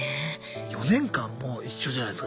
４年間も一緒じゃないすか